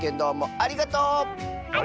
ありがとう！